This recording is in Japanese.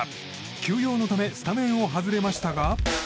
休養のためスタメンを外れましたが。